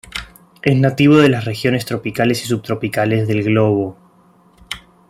Es nativo de las regiones tropicales y subtropicales del globo.